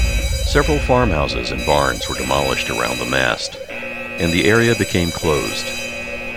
Several farmhouses and barns were demolished around the mast and the area became closed.